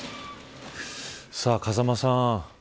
風間さん。